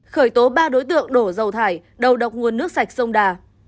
khởi tố ba đối tượng đổ dầu thải đầu độc nguồn nước sạch sông đà